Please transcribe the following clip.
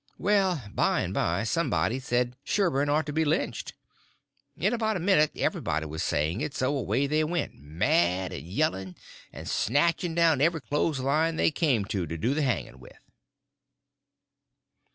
Well, by and by somebody said Sherburn ought to be lynched. In about a minute everybody was saying it; so away they went, mad and yelling, and snatching down every clothes line they come to to do the hanging with.